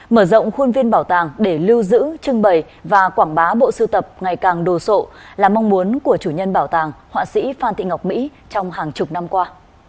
mở rộng khuôn viên bảo tàng để lưu giữ trưng bày và quảng bá bộ sưu tập ngày càng đồ sộ là mong muốn của chủ nhân bảo tàng họa sĩ phan thị ngọc mỹ trong hàng chục năm qua